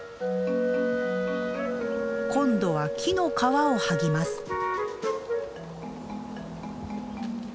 今度は木の皮を剥ぎます。